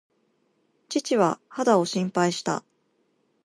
父は肌を心配した。